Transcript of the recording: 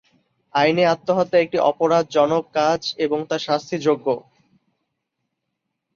আইনে আত্মহত্যা একটি অপরাধজনক কাজ এবং তা শাস্তিযোগ্য।